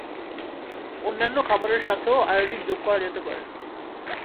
অন্যান্য খাবারের সাথেও আয়োডিন যোগ করা যেতে পারে।